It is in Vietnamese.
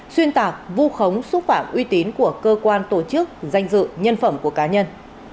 xuyên tạc vu khống xúc phạm uy tín của cơ quan tổ chức danh dự nhân phẩm của cá nhân